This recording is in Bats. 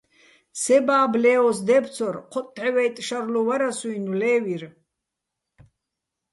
სე ბა́ბო̆ ლეოს დე́ფცორ: ჴოტ-დჵევა́ჲტტ შარლუჼ ვარასო̆-უ́ჲნო̆ ლე́ვირ.